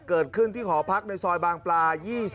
เกิดขึ้นที่หอพักในซอยบางปลา๒๐